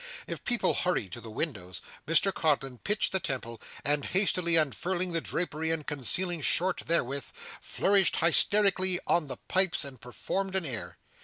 If people hurried to the windows, Mr Codlin pitched the temple, and hastily unfurling the drapery and concealing Short therewith, flourished hysterically on the pipes and performed an air.